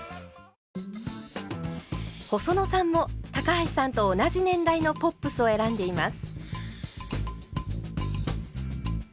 細野さんも高橋さんと同じ年代のポップスを選んでいます。